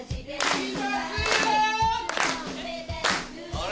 あれ？